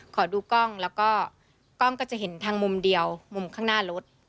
ขอดูกล้องแล้วก็กล้องก็จะเห็นทางมุมเดียวมุมข้างหน้ารถ